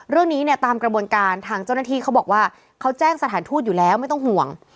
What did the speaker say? เรื่องนี้เนี่ยตามกระบวนการทางเจ้าหน้าที่เขาบอกว่าเขาแจ้งสถานทูตอยู่แล้วไม่ต้องห่วง